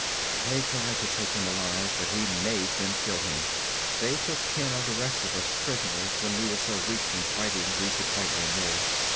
They tried to take him alive, but he made them kill him. They took ten of the rest of us prisoners when we were so weak from fighting we could fight no more.